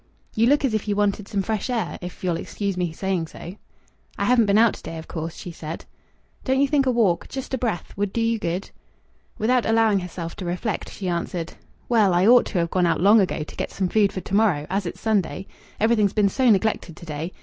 "You look as if you wanted some fresh air if you'll excuse me saying so." "I haven't been out to day, of course," she said. "Don't you think a walk just a breath would do you good!" Without allowing herself to reflect, she answered "Well, I ought to have gone out long ago to get some food for to morrow, as it's Sunday. Everything's been so neglected to day.